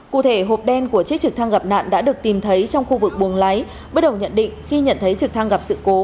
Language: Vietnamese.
cụ thể hộp đen của chiếc trực thăng gặp nạn đã được tìm thấy trong khu vực buồng lái bước đầu nhận định khi nhận thấy trực thăng gặp sự cố